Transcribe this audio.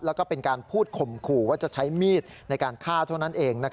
แล้วก็เป็นการพูดข่มขู่ว่าจะใช้มีดในการฆ่าเท่านั้นเอง